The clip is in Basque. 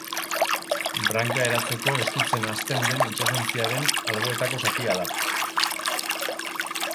Branka eratzeko estutzen hasten den itsasontziaren alboetako zatia da.